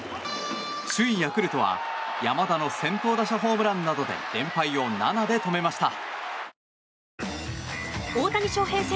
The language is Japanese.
首位ヤクルトは山田の先頭打者ホームランなどで連敗を７で止めました。